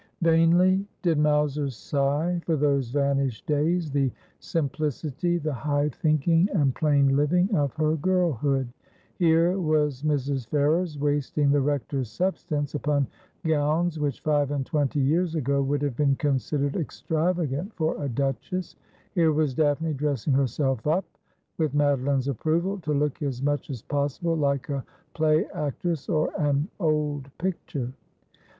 Vainly did Mowser sigh for those vanished days, the simpli city, the high thinking and plain living, of her girlhood. Here was Mrs. Ferrers wasting the Rector's substance upon gowns which five and twenty years ago would have been considered extravagant for a duchess ; here was Daphne dressing herself up — with Madoline's approval— to look as much as possible like a play actress or an old picture.